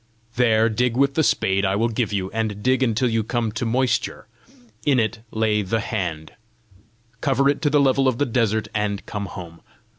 There dig with the spade I will give you, and dig until you come to moisture: in it lay the hand, cover it to the level of the desert, and come home.